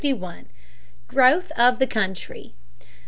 ] 361. Growth of the Country.